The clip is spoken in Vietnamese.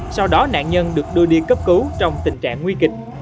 sau đó nạn nhân được đưa đi cấp cứu trong tình trạng nguy kịch